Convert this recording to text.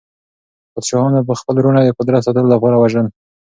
پادشاهانو به خپل وروڼه د قدرت ساتلو لپاره وژل.